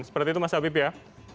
seperti itu mas habib ya